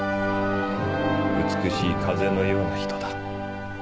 美しい風のような人だ。